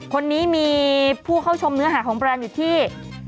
คนนี้มีผู้เข้าชมเนื้อหาของแบรนด์อยู่ที่